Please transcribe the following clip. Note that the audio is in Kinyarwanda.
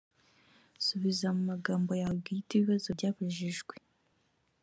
subiza mu magambo yawe bwite ibibazo byabajijwe